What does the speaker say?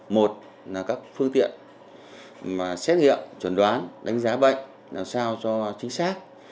một là các phương tiện mà xét nghiệm chuẩn đoán đánh giá bệnh làm sao cho chính xác